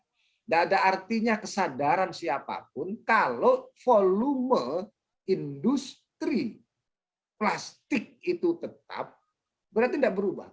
tidak ada artinya kesadaran siapapun kalau volume industri plastik itu tetap berarti tidak berubah